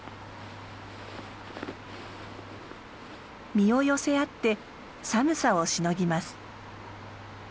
身を寄せ合って寒さをしのぎます。